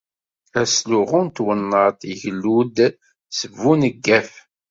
Asluɣu n twennaṭ igellu-d s buneggaf.